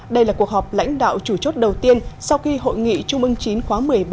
đây là cuộc họp lãnh đạo chủ chốt đầu tiên sau khi hội nghị trung ương chín khóa một mươi ba